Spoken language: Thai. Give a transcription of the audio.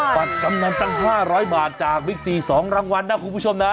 บัตรกำนันตั้ง๕๐๐บาทจากบิ๊กซี๒รางวัลนะคุณผู้ชมนะ